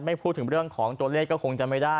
พูดถึงเรื่องของตัวเลขก็คงจะไม่ได้